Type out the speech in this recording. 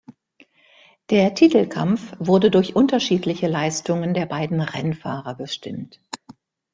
Der Titelkampf wurde durch unterschiedliche Leistungen der beiden Rennfahrer bestimmt.